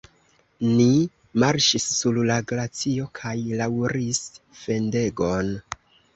Ni marŝis sur la glacio kaj laŭiris fendegon.